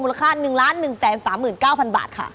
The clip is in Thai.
ค่า๑๑๓๙๐๐บาทค่ะ